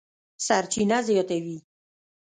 سرچینه زیاتوي،